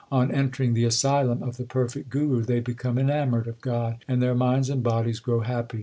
On entering the asylum of the perfect Guru They become enamoured of God, and their minds and bodies grow happy.